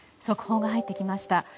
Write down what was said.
速報が入ってきました。